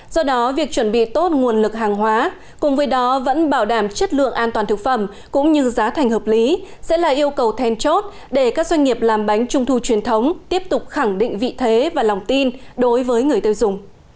do đó việc chuẩn bị tốt nguồn lực hàng hóa cùng với đó vẫn bảo đảm chất lượng an toàn thực phẩm cũng như giá thành hợp lý sẽ là yêu cầu then chốt để các doanh nghiệp làm bánh trung thu truyền thống tiếp tục khẳng định vị thế và lòng tin đối với người tiêu dùng